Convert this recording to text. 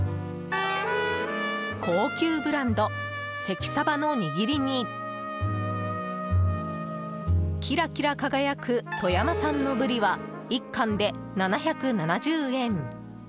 高級ブランド、関サバの握りにキラキラ輝く富山産のブリは１貫で７７０円！